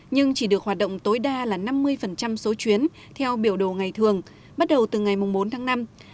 nhưng chỉ được hoạt động tối đa là năm mươi số chuyến theo biểu đồ ngày thường bắt đầu từ ngày bốn tháng năm